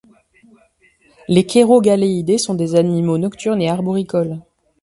Les cheirogaleidés sont des animaux nocturnes et arboricoles.